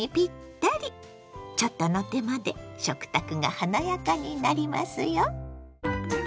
ちょっとの手間で食卓が華やかになりますよ。